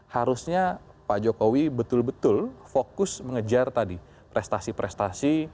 harusnya pak jokowi betul betul fokus mengejar tadi prestasi prestasi